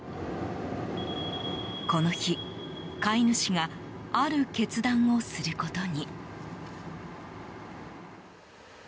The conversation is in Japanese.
この日、飼い主がある決断をすることに。